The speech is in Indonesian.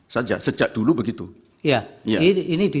saja sejak dulu begitu iya ini di